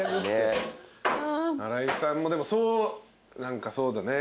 新井さんも何かそうだね。